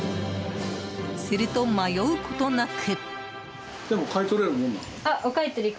すると、迷うことなく。